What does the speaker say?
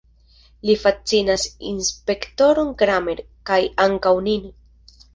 Li fascinas inspektoron Kramer, kaj ankaŭ nin.